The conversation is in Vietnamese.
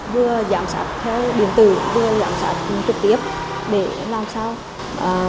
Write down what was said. vừa giám sát theo điện tử vừa giám sát trực tiếp để làm sao